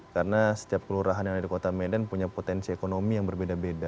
karena setiap kelurahan yang ada di kota medan punya potensi ekonomi yang berbeda beda